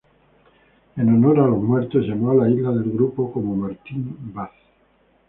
En honor a los muertos, llamó a las islas del grupo como Martín Vaz.